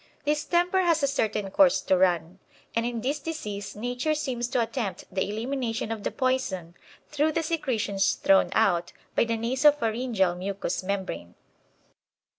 Distemper has a certain course to run, and in this disease Nature seems to attempt the elimination of the poison through the secretions thrown out by the naso pharyngeal mucous membrane.